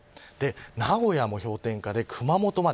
名古屋も氷点下で、熊本まで。